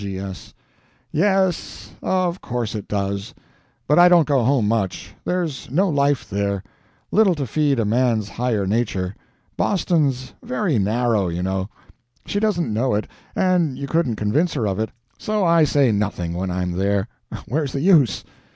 G.S. Yes, of course it does. But I don't go home much. There's no life there little to feed a man's higher nature. Boston's very narrow, you know. She doesn't know it, and you couldn't convince her of it so I say nothing when I'm there: where's the use?